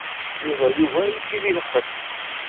Yuba yugar-iyi deg lqedd.